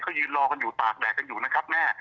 เขายืนรอกันอยู่ตากแดดกันอยู่นะครับแม่